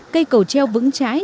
cây cầu treo vững trái